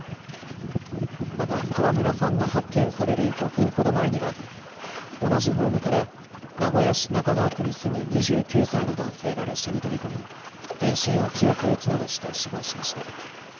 また川村さんが発見される５分ほど前には同じホームから名古屋市中川区に住む２９歳の男性が列車に飛び込み全身を強く打つなどして死亡しました。